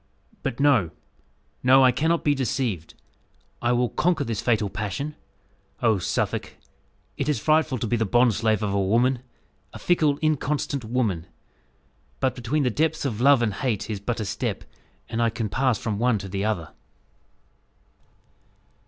"But no no, I cannot be deceived. I will conquer this fatal passion. Oh, Suffolk! it is frightful to be the bondslave of a woman a fickle, inconstant woman. But between the depths of love and hate is but a step; and I can pass from one to the other."